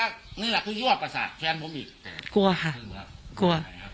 กลัวฮะกลัว